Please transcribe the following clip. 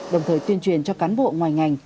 đồng thời tuyên truyền cho cán bộ ngoài ngành